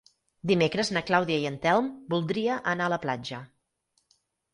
Dimecres na Clàudia i en Telm voldria anar a la platja.